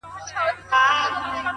خپل وخت له ارزښت سره برابر کړئ’